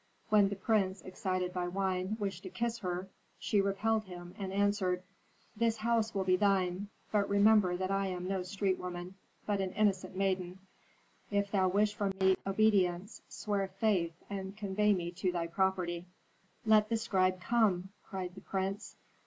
When the prince, excited by wine, wished to kiss her, she repelled him, and answered, "'This house will be thine. But remember that I am no street woman, but an innocent maiden. If thou wish from me obedience, swear faith, and convey to me thy property.' "'Let the scribe come!' cried the prince.